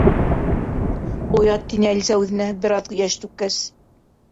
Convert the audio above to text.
—Оят, —тине Әлисә үҙенә, бер аҙ йәш түккәс.